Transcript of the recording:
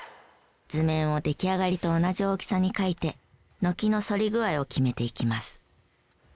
図面を出来上がりと同じ大きさに描いて軒の反り具合を決めていきます。